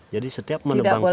jadi setiap menebang pohon